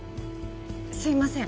すみません。